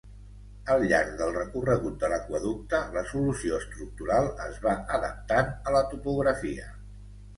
Al llarg del recorregut de l'aqüeducte, la solució estructural es va adaptant a la topografia.